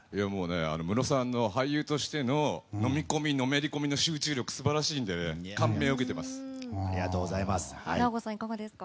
ムロさんの俳優としての飲み込み、のめりこみ集中力、素晴らしいんで感銘を受けています。